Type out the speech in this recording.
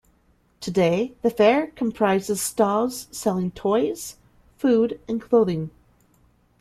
Today the fair comprises stalls selling toys, food and clothing.